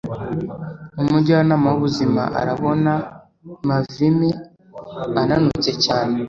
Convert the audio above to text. umujyanama w'ubuzima arabona mavime ananutse cyane